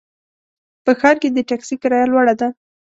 په ښار کې د ټکسي کرایه لوړه ده.